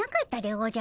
おじゃ！